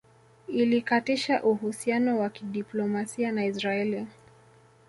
Ilikatisha uhusiano wa kidiplomasia na Israeli